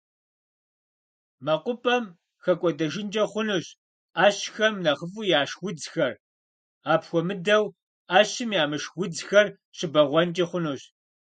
МэкъупӀэм хэкӀуэдэжынкӀэ хъунущ Ӏэщхэм нэхъыфӀу яшх удзхэр, апхуэмыдэу, Ӏэщым ямышх удзхэр щыбэгъуэнкӀи хъунущ.